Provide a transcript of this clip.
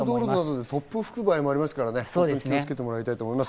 突風が吹く場合もあるので気をつけてもらいたいと思います。